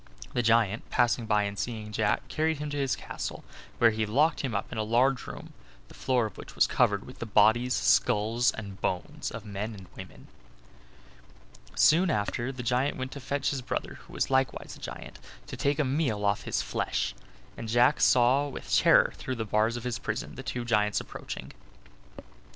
The giant, passing by and seeing Jack, carried him to his castle, where he locked him up in a large room, the floor of which was covered with the bodies, skulls and bones of men and women. Soon after the giant went to fetch his brother who was likewise a giant, to take a meal off his flesh; and Jack saw with terror through the bars of his prison the two giants approaching.